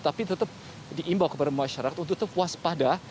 tapi tetap diimbau kepada masyarakat untuk tetap waspada